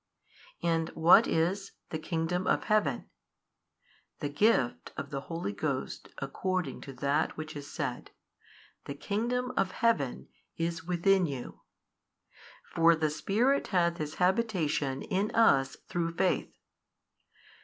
And what is the |551 kingdom of Heaven? The gift of the Holy Ghost according to that which is said, The kingdom of Heaven is within you: for the Spirit hath His habitation in us through faith.